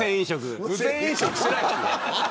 無銭飲食しないですよ。